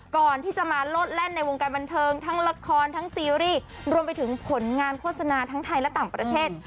ก่อนที่จะมาโลดแล่นในวงการบันเทิงทั้งละครทั้งซีรีส์รวมไปถึงผลงานโฆษณาทั้งไทยและต่างประเทศ